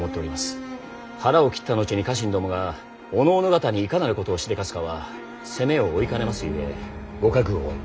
腹を切った後に家臣どもがおのおの方にいかなることをしでかすかは責を負いかねますゆえご覚悟を。